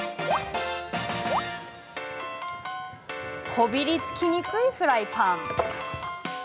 こびりつきにくいフライパン。